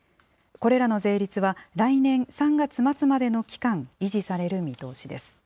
これらの税率は、来年３月末までの期間維持される見通しです。